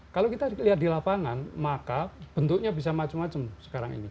kalau kita lihat di lapangan maka bentuknya bisa macam macam sekarang ini